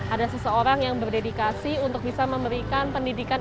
ada seseorang yang berdedikasi untuk bisa memberikan pendidikan